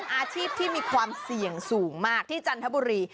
อาชีพที่มีความเสี่ยงสูงมากที่จันทบุรี